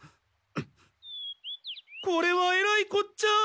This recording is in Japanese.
これはえらいこっちゃ！